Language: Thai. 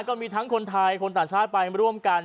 ก็มีทั้งคนไทยคนต่างชาติไปร่วมกัน